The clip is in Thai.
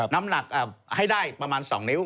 น้ำหนักให้ได้ประมาณ๒นิ้ว